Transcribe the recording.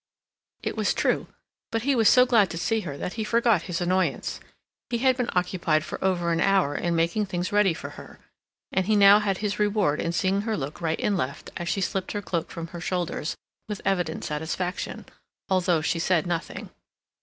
It was true, but he was so glad to see her that he forgot his annoyance. He had been occupied for over an hour in making things ready for her, and he now had his reward in seeing her look right and left, as she slipped her cloak from her shoulders, with evident satisfaction, although she said nothing.